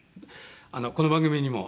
この番組にも。